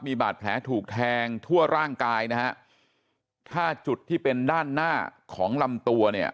มีบาดแผลถูกแทงทั่วร่างกายนะฮะถ้าจุดที่เป็นด้านหน้าของลำตัวเนี่ย